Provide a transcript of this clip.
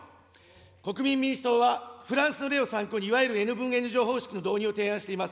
国民民主党は、フランスの例を参考に、いわゆるＮ分Ｎ乗方式の導入を提案しています。